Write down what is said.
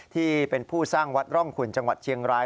ที่เป็นผู้สร้างวัดร่องขุนจังหวัดเชียงราย